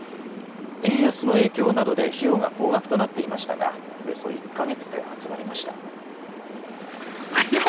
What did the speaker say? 円安の影響などで費用が高額となっていましたがおよそ１か月で集まりました。